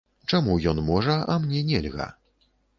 Чаму ён можа, а мне нельга?